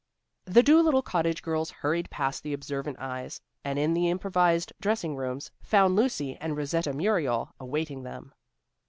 The Dolittle Cottage girls hurried past the observant eyes, and in the improvised dressing rooms found Lucy and Rosetta Muriel awaiting them.